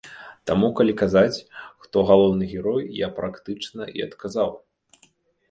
Таму калі казаць, хто галоўны герой, я практычна і адказаў.